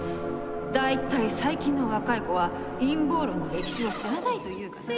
大体最近の若い子は陰謀論の歴史を知らないというか。